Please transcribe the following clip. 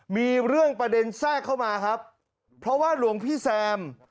มีเรื่องประเด็นแทรกเข้ามาครับเพราะว่าหลวงพี่แซม